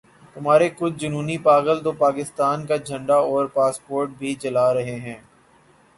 تمہارے کچھ جنونی پاگل تو پاکستان کا جھنڈا اور پاسپورٹ بھی جلا رہے ہیں۔